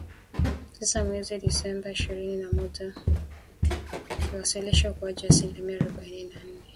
tisa mwezi Disemba ishirini na moja ikiwasilisha ukuaji wa asilimia arubaini na nne